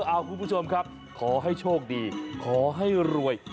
เอาคุณผู้ชมครับขอให้โชคดีขอให้รวย